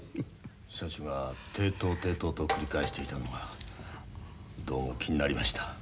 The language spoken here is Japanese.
社主が抵当抵当と繰り返していたのがどうも気になりました。